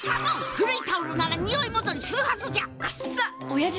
古いタオルならにおい戻りするはずじゃ。